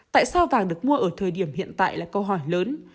tại sao vàng được mua ở thời điểm hiện tại là câu hỏi lớn